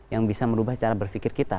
yang bisa merubah cara berpikir kita